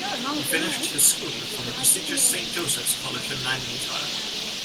He finished his schooling from the prestigious Saint Joseph's College in Nainital.